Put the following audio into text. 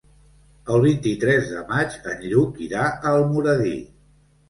El vint-i-tres de maig en Lluc irà a Almoradí.